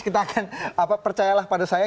kita akan percayalah pada saya